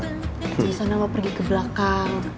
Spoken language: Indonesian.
di sana mau pergi ke belakang